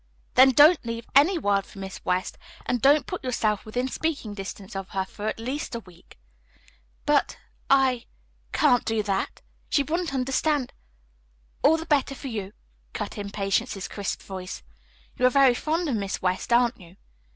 "Then don't leave any word for Miss West, and don't put yourself within speaking distance of her for at least a week." "But I can't do that. She wouldn't understand " "All the better for you," cut in Patience's crisp voice. "You are very fond of Miss West, aren't you?"